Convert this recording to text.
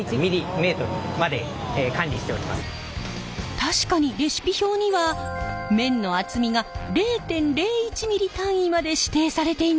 確かにレシピ表には麺の厚みが０．０１ｍｍ単位まで指定されています。